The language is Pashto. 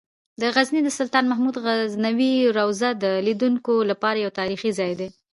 د غزني د سلطان محمود غزنوي روضه د لیدونکو لپاره یو تاریخي ځای دی.